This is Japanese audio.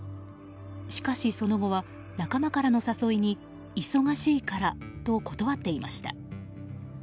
しかし、その後は仲間からの誘いに忙しいからと断っていました。